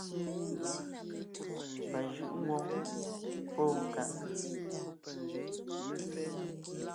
Pà jʉ́’ ńgwóŋ póo ńká.